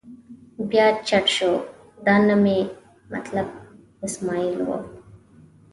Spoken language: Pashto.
بیا خټ شو، دا نه مې مطلب اسمعیل و.